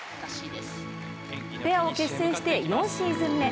ペアを結成して４シーズン目。